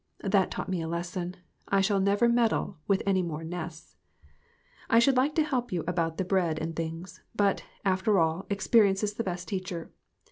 That taught me a lesson. I shall never meddle with any more nests. I should like to help you about the bread and things. But, after all, experience is the best teacher.